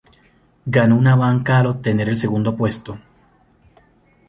Ganó una banca al obtener el segundo puesto.